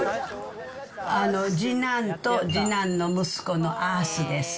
次男と次男の息子のあーすです。